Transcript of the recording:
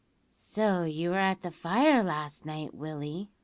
"So you were at a fire last night, Willie?"